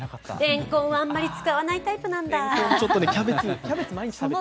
レンコンはあまり使わないタイプなんだぁ。